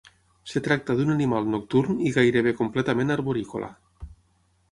Es tracta d'un animal nocturn i gairebé completament arborícola.